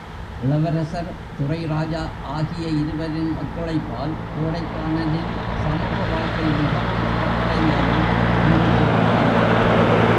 இளவரசர், துரைராஜா ஆகிய இருவரின் ஒத்துழைப்பால் கோடைக்கானலின் சமூக வாழ்க்கை மிகவும் சிறப்படைந்தது என்று கூறலாம்.